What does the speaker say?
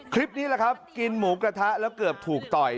คลิปนี้แหละครับกินหมูกระทะแล้วเกือบถูกต่อย